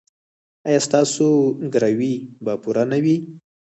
ایا ستاسو ګروي به پوره نه وي؟